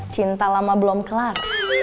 cinta lama belum kelar